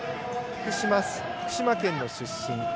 福島県の出身。